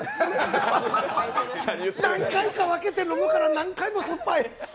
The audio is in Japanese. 何回かに分けて飲むから何回も酸っぱい。